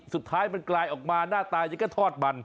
สุดท้ายมันกลายออกมาหน้าตายังก็ทอดมัน